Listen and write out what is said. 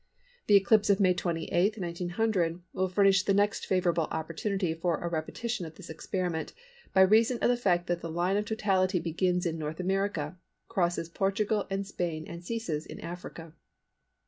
The eclipse of May 28, 1900, will furnish the next favourable opportunity for a repetition of this experiment by reason of the fact that the line of totality begins in North America, crosses Portugal and Spain and ceases in Africa.